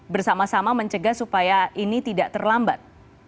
bersama sama mencegah supaya ini tidak terlambat